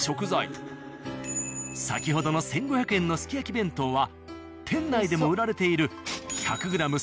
先ほどの１５００円のすき焼き弁当は店内でも売られている１００ｇ１５００円